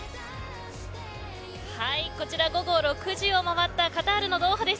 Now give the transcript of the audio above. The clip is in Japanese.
こちら午後６時を回ったカタールのドーハです。